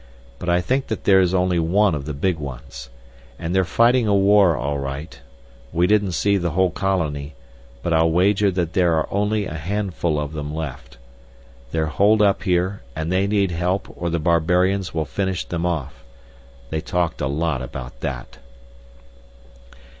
But I think that there's only one of the big ones. And they're fighting a war all right. We didn't see the whole colony, but I'll wager that there are only a handful of them left. They're holed up here, and they need help or the barbarians will finish them off. They talked a lot about that."